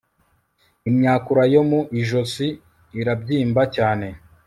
imyakura yo mu ijosi irabyimba cyane